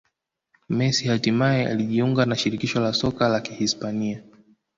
Messi hatimaye alijiunga na Shirikisho la Soka la Kihispania